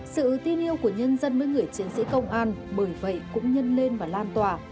sự tin yêu của nhân dân với người chiến sĩ công an bởi vậy cũng nhân lên và lan tỏa